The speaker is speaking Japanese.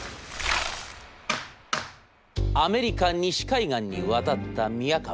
「アメリカ西海岸に渡った宮河。